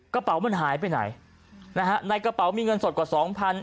กระเป๋ามันหายไปไหนนะฮะในกระเป๋ามีเงินสดกว่าสองพัน